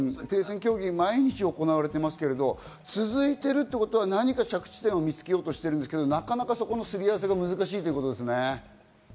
停戦協議、毎日行われていますけど続いているということは何か、着地点を見つけようとしてるんだけど、この擦り合わせが難しいということですね。